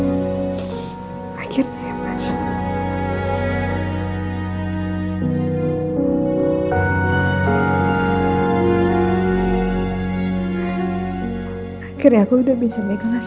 alhamdulillah ya papa senang sekali